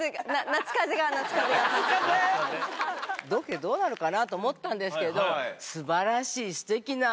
夏風邪⁉ロケどうなるかなと思ったんですけど素晴らしいすてきな。